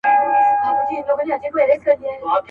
لا هغه سوټک ته څڼي غور ځومه.